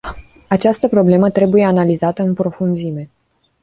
Această problemă trebuie analizată în profunzime.